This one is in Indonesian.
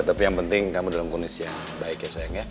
tapi yang penting kamu dalam kunis yang baik ya sayang ya